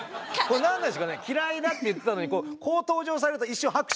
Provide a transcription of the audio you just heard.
何ですかね嫌いだって言ってたのにこう登場されると一瞬拍手したくなる。